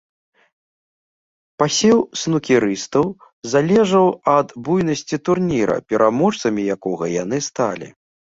Пасеў снукерыстаў залежаў ад буйнасці турніра, пераможцамі якога яны сталі.